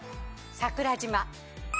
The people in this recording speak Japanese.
桜島。